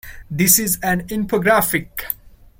This is an infographic.